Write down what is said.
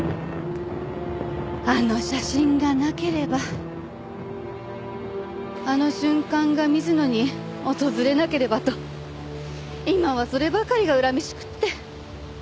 あの写真がなければあの瞬間が水野に訪れなければと今はそればかりが恨めしくって。